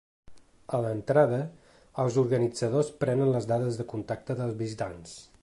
A l’entrada, els organitzadors prenen les dades de contacte dels visitants.